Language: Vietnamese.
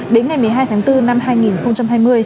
đến ngày một mươi hai tháng bốn năm hai nghìn hai mươi